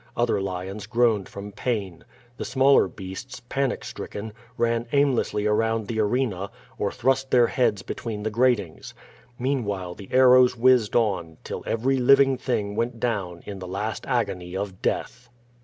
Other lions groaned from pain. The smaller beasts, panic stricken, ran aimlessly around the arena, or thrust their heads between the gratings. Meanwhile, the arrows whizzed on, till every living thing went down in the last agony of death.